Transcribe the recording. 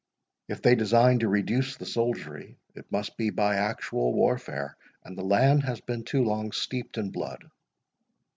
If they design to reduce the soldiery, it must be by actual warfare, and the land has been too long steeped in blood.